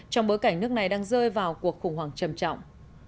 trong bối cảnh nước này đang rơi vào cuộc khủng hoảng trầm trọng